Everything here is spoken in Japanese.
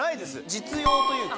実用というか。